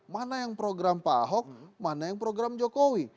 mana yang program pak ahok mana yang program jokowi